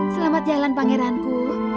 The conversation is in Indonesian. selamat jalan pangeranku